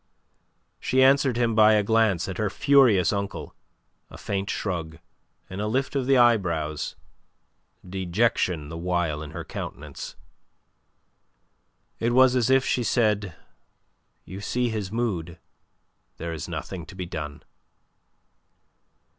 She answered him by a glance at her furious uncle, a faint shrug, and a lift of the eyebrows, dejection the while in her countenance. It was as if she said: "You see his mood. There is nothing to be done."